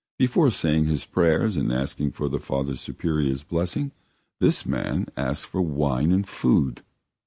Before saying his prayers and asking for the Father Superior's blessing, this man asked for wine and food.